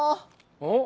お？